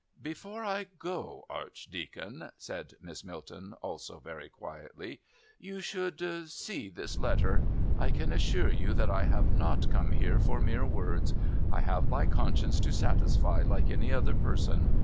"Before I go, Archdeacon," said Miss Milton, also very quietly, "you should see this letter. I can assure you that I have not come here for mere words. I have my conscience to satisfy like any other person.